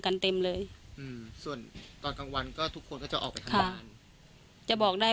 กันเต็มเลยส่วนตอนกลางวันก็ทุกคนก็จะออกไปค่ะจะบอกได้